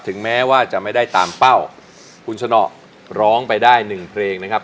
แม้ว่าจะไม่ได้ตามเป้าคุณสนอร้องไปได้หนึ่งเพลงนะครับ